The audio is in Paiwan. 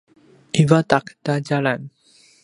ivadaq ta djalan